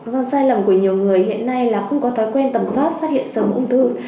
vâng sai lầm của nhiều người hiện nay là không có thói quen tầm soát phát hiện sớm ung thư